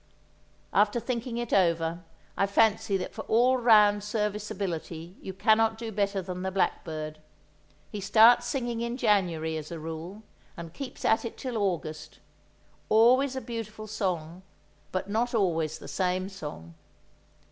After thinking it over, I fancy that for all round serviceability you cannot do better than the blackbird. He starts singing in January, as a rule, and keeps at it till August, always a beautiful song, but not always the same song.